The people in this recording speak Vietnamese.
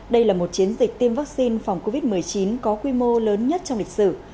đây là một chiến dịch tiêm vaccine phòng covid một mươi chín có quy mô lớn nhất trong lịch sử